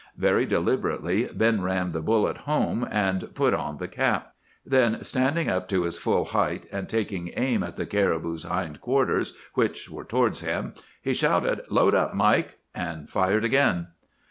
Very deliberately Ben rammed the bullet home and put on the cap. Then, standing up to his full height, and taking aim at the caribou's hind quarters, which were towards him, he shouted, 'Load up, Mike!' and fired again.